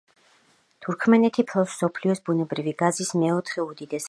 თურქმენეთი ფლობს მსოფლიოს ბუნებრივი გაზის მეოთხე უდიდეს რეზერვებს.